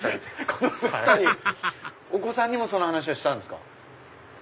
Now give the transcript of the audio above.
お子さんにもその話はしたんですか？